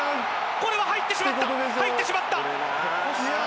これは入ってしまった入ってしまった。